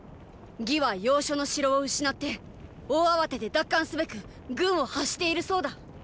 魏は要所の城を失って大慌てで奪還すべく軍を発しているそうだ！